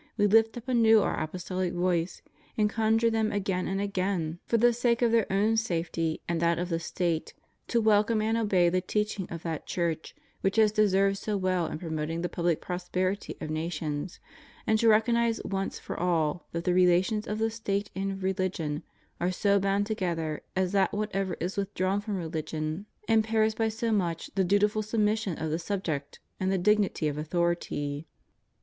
We lift up anew Our ApostoHc voice, and conjure them again and again, ^ 2 Cor. viii. 9. 32 SOCIALISM, COMMUNISM, NIHILISM. for the sake of their own safety and that of the State, to welcome and obey the teaching of that Church which has deserved so well in promoting the public prosperity of nations, and to recognize once for all that the relations of the State and of Religion are so bound together as that whatever is withdrawn from religion impairs by so much the dutiful submission of the subject and the dignity of authority.